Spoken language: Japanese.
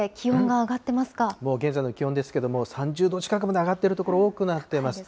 もう現在の気温ですけれども、３０度近くまで上がってる所多くなっています。